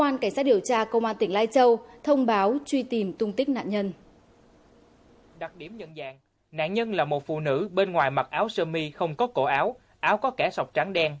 nạn nhân là một phụ nữ bên ngoài mặt áo sơ mi không có cổ áo áo có kẻ sọc trắng đen